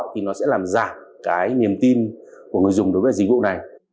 thì nó sẽ làm giảm cái niềm tin của người dùng đối với dịch vụ này